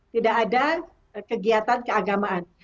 tidak ada kegiatan keagamaan